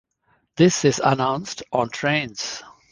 This is announced on trains.